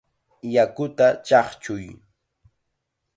¡Yakuta chaqchuy!